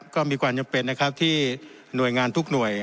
ก็มีความจำเป็นนะครับที่หน่วยงานทุกหน่วย